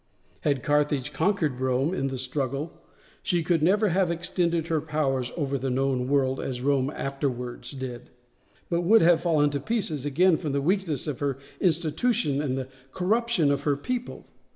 Had Carthage conquered Rome in the struggle she could never have extended her power over the known world as Rome afterwards did, but would have fallen to pieces again from the weakness of her institutions and the corruption of her people.